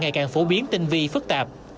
ngày càng phổ biến tinh vi phức tạp